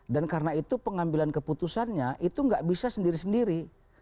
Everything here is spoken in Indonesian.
dan karena itu pengambilan keputusannya itu gak bisa sendiri sendiri